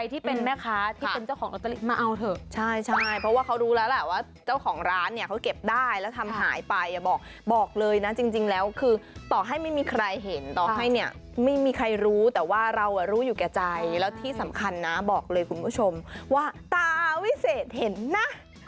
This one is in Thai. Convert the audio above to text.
ตอนนี้ต้องทำดีเราก็จะได้ดี